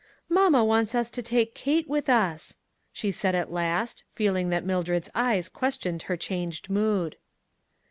"Mamma wants us to take Kate with us," she said at last, feeling that Mildred's eyes questioned her changed mood.